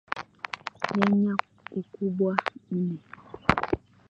Nyanya Ukubwa nne